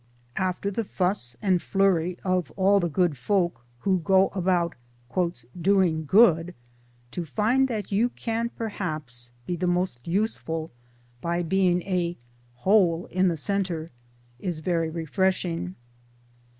After the fuss and flurry of all the good folk who go about " doing good," to find that you can perhaps be most useful by being a " hole in the centre " is very refreshing.